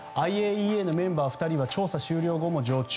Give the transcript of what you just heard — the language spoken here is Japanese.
ＩＡＥＡのメンバー２人は調査終了後も常駐。